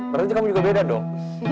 berarti kamu juga beda dong